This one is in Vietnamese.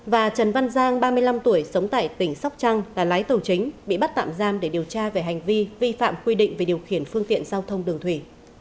và trần văn giang ba mươi năm tuổi sống tại tỉnh sóc trăng là lái tàu chính bị bắt tạm giam để điều tra về hành vi vi phạm quy định về điều khiển phương tiện giao thông đường thủy